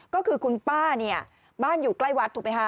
ก็คือคุณป้าเนี่ยบ้านอยู่ใกล้วัดถูกไหมคะ